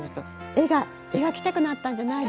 絵が描きたくなったんじゃないですか？